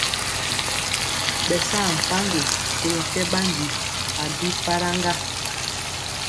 Ɓɛ saa mpaŋgo kolɔ kɛ ɓandi a bi faraŋga.